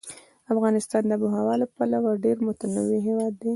افغانستان د آب وهوا له پلوه ډېر متنوع هېواد دی.